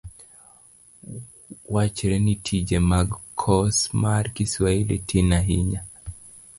wachre ni tije mag kos mar kiswahili tin ahinya.